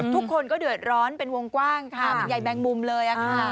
ทุกคนก็เดือดร้อนเป็นวงกว้างใหญ่แมงมุมเลย